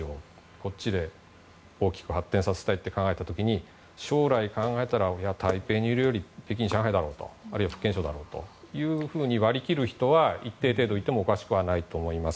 こっちで大きく発展させたいと考えた時に将来を考えたら、台湾にいるより北京、上海あるいは福建省だろうと割り切る人は一定程度いてもおかしくはないと思います。